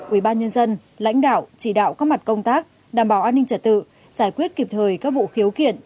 ubnd lãnh đạo chỉ đạo các mặt công tác đảm bảo an ninh trật tự giải quyết kịp thời các vụ khiếu kiện